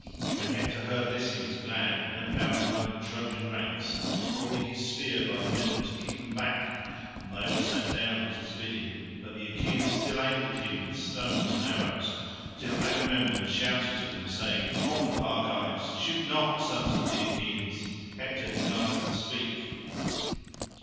When Hector heard this he was glad, and went about among the Trojan ranks holding his spear by the middle to keep them back, and they all sat down at his bidding: but the Achaeans still aimed at him with stones and arrows, till Agamemnon shouted to them saying, "Hold, Argives, shoot not, sons of the Achaeans; Hector desires to speak."